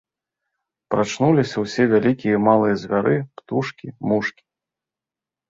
Прачнуліся ўсе вялікія і малыя звяры, птушкі, мушкі.